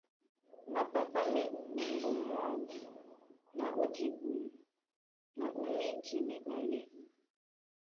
Mapapá ma e mɔŋgɔ mwáō na ó dibum na ó mídi míɓanɛ́.